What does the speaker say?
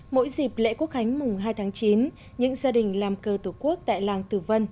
mỗi dịp lễ quốc khánh mùng hai tháng chín những gia đình làm cơ tổ quốc tại làng tử vân